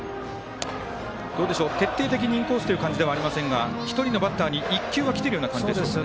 徹底的にインコースという感じではありませんが１人のバッターに１球はきているような感じですか。